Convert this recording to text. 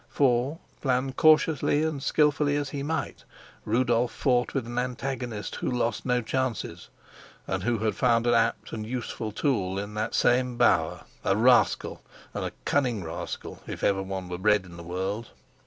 For, plan cautiously and skillfully as he might, Rudolf fought with an antagonist who lost no chances, and who had found an apt and useful tool in that same Bauer, a rascal, and a cunning rascal, if ever one were bred in the world.